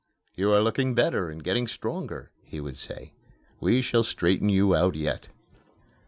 "You are looking better and getting stronger," he would say. "We shall straighten you out yet."